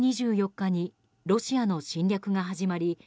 ２月２４日にロシアの侵略が始まり